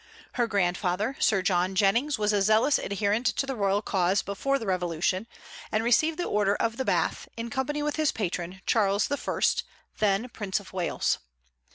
Her grandfather, Sir John Jennings, was a zealous adherent to the royal cause before the Revolution, and received the Order of the Bath, in company with his patron, Charles I., then Prince of Wales.